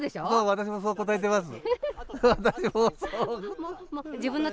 私もそう答えてます。